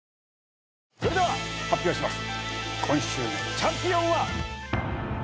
それでは発表します。